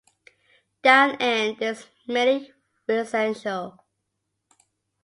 Downend is mainly residential.